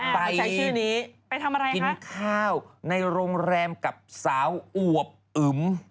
ไปกินข้าวในโรงแรมกับสาวอวบอึ๋ม